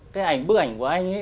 cái ảnh bức ảnh của anh ấy